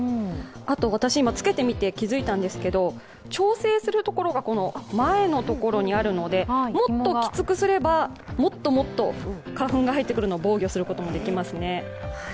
私、今、つけてみて気づいたんですけど、調整するところが前にあるので、もっときつくすれば、もっともっと花粉が入ってくるのを防御することもできますね。